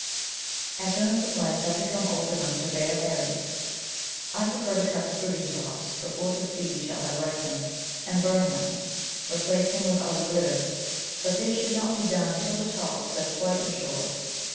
As soon as the plants have become old enough to bear berries I prefer to cut the fruiting tops before the seed shall have ripened and burn them, replacing with other litter; but this should not be done till the tops have quite matured.